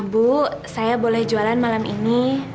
bu saya boleh jualan malam ini